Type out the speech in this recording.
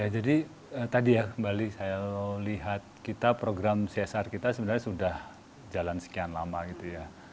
jadi tadi ya kembali saya lihat kita program csr kita sebenarnya sudah jalan sekian lama gitu ya